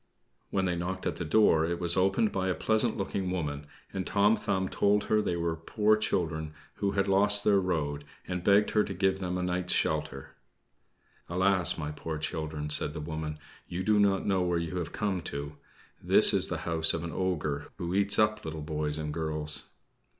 When they knocked at the door, it was opened by a pleasant looking woman, and Tom Thumb told her they were poor children who had lost their road, and begged her to give them a night's shelter. "Alas, my poor children!" said the woman, "you do not know where you have come to. This is the house of an ogre who eats up little boys and girls."